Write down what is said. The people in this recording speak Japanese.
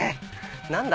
何だ？